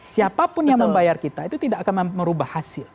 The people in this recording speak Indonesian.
siapapun yang membayar kita itu tidak akan merubah hasil